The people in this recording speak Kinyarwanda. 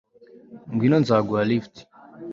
Ngwino nzaguha lift